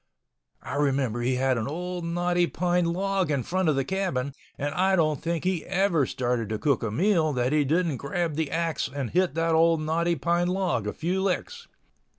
I remember he had an old knotty pine log in front of the cabin, and I don't think he ever started to cook a meal that he didn't grab the axe and hit that old knotty pine log a few licks.